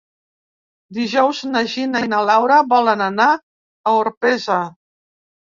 Dijous na Gina i na Laura volen anar a Orpesa.